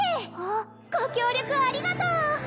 ご協力ありがとう！